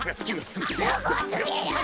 すごすぎる！